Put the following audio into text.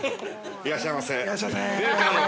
◆いらっしゃいませ。